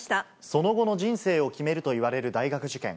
その後の人生を決めるといわれる大学受験。